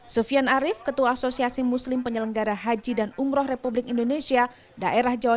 sufian arief ketua asosiasi muslim penyelenggara haji dan umroh republik indonesia daerah jawa